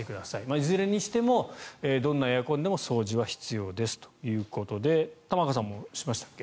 いずれにしてもどんなエアコンでも掃除は必要ですということでやりました。